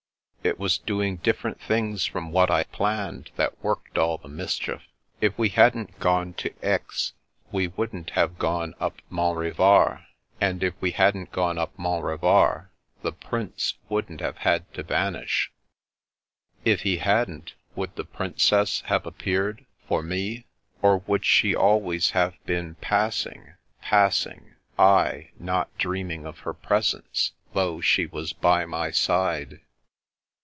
" It was doing different things from what I planned that worked all the mischief. If we hadn't gone to Aix, we wouldn't have gone up Mont Revard ; and if we hadn't gone up Mont Revard, the Prince wouldn't have had to vanish." " If he hadn't, would the Princess have appeared — for me? Or would she always have been pass ing — ^passing — ^I not dreaming of her presence, though she was by my side?